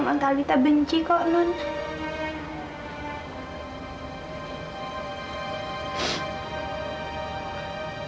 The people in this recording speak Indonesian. emang talitha benci kok nont